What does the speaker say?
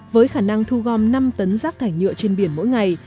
với khả năng thu gom năm tấn rác thải nhựa trên biển mỗi ngày